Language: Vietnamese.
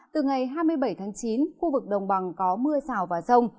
từ ngày hai mươi bảy tháng chín khu vực đồng bằng có mưa rào và rông